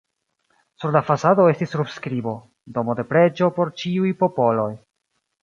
Sur la fasado estis surskribo: "Domo de preĝo por ĉiuj popoloj".